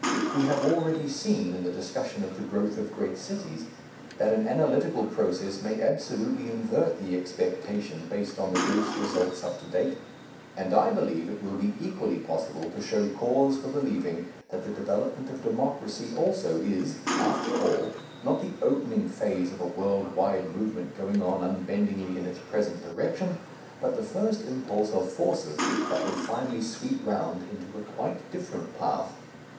We have already seen in the discussion of the growth of great cities, that an analytical process may absolutely invert the expectation based on the gross results up to date, and I believe it will be equally possible to show cause for believing that the development of Democracy also is, after all, not the opening phase of a world wide movement going on unbendingly in its present direction, but the first impulse of forces that will finally sweep round into a quite different path.